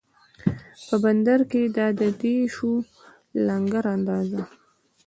په بندر کې دا دی شو لنګر اندازه